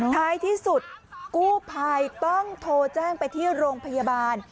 ท้ายที่สุดกู้ภัยต้องโทรแจ้งไปที่โรงพยาบาล